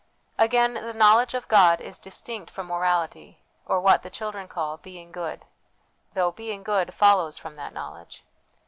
Again, the knowledge of God is distinct from morality, or what the children call 'being good/ though * being good ' follows from that knowledge.